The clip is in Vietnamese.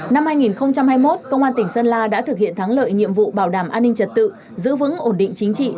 năm hai nghìn hai mươi một công an tỉnh sơn la đã thực hiện thắng lợi nhiệm vụ bảo đảm an ninh trật tự giữ vững ổn định chính trị